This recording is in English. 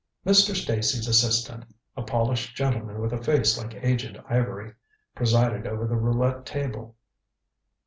Mr. Stacy's assistant, a polished gentleman with a face like aged ivory, presided over the roulette table.